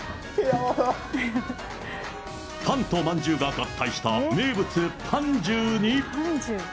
パンとまんじゅうが合体した名物、ぱんじゅうに。